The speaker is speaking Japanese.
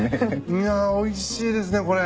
いやおいしいですねこれ。